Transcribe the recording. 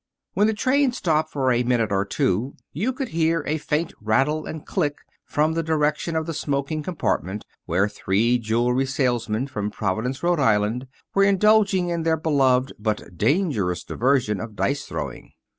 When the train stopped for a minute or two you could hear a faint rattle and click from the direction of the smoking compartment where three jewelry salesmen from Providence, Rhode Island, were indulging in their beloved, but dangerous diversion of dice throwing.